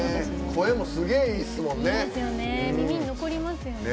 声もすげえいいっすもんね。